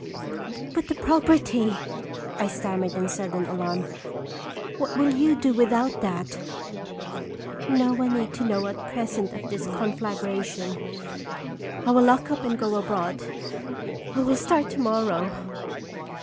" But the property I'M stammered in sudden alarm. " What will you do without that?" " No one need know at present of this con flagration. I will lock up and go abroad. I will start to morrow